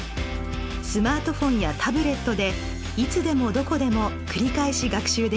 スマートフォンやタブレットでいつでもどこでも繰り返し学習できます。